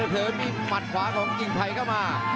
เผลอมีหมัดขวาของจิงไพก็มา